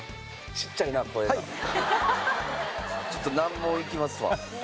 ちょっと難問いきますわ。